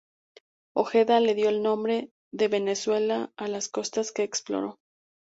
Ojeda le dio el nombre de Venezuela a las costas que exploró.